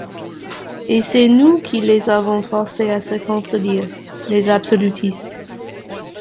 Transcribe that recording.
Et c'est nous qui les avons forcés à se contredire, les absolutistes!